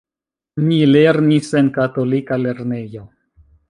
Mi lernis en katolika lernejo.